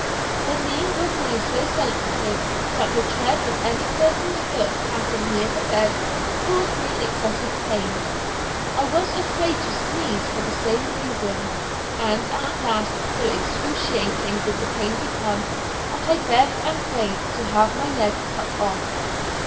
The knee was now so sensitive that the tread of any person's foot passing near the bed caused me excessive pain. I was afraid to sneeze for the same reason, and at last so excruciating did the pain become that I begged and prayed to have my leg cut off.